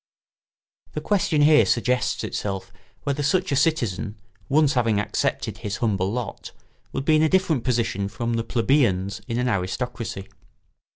] The question here suggests itself whether such a citizen, once having accepted his humble lot, would be in a different position from the plebeians in an aristocracy.